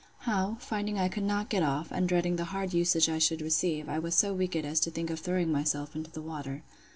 How, finding I could not get off, and dreading the hard usage I should receive, I was so wicked as to think of throwing myself into the water.